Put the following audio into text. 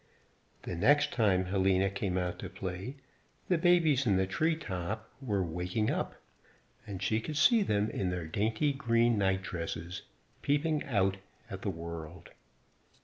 The next time Helena came out to play, the babies in the treetop were waking up, and she could see them in their dainty green nightdresses, peeping out at the world.